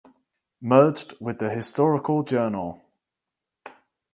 Merged with the "Historical Journal".